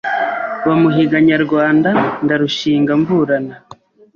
Bamuhiga Nyarwanda Ndarushinga mburana